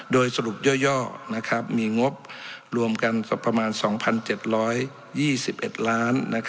โดยสรุปย่อมีงบรวมกันประมาณ๒๗๒๑ล้าน